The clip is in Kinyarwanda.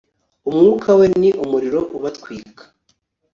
umwuka we ni umuriro ubatwika